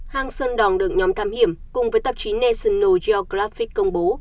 hang sơn đỏng được nhóm thám hiểm cùng với tạp chí national geographic công bố